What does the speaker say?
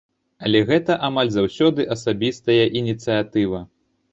Але гэта амаль заўсёды асабістая ініцыятыва.